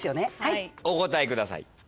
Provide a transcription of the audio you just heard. お答えください。